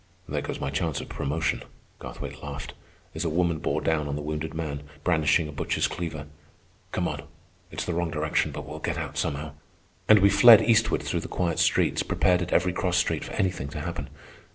"There goes my chance of promotion," Garthwaite laughed, as a woman bore down on the wounded man, brandishing a butcher's cleaver. "Come on. It's the wrong direction, but we'll get out somehow." And we fled eastward through the quiet streets, prepared at every cross street for anything to happen.